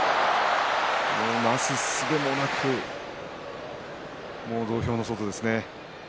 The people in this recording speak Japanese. なすすべもなくもう土俵の外ですね。